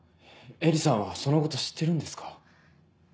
絵理さんはそのこと知ってるんですか？